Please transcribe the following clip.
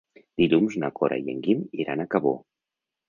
Dilluns na Cora i en Guim iran a Cabó.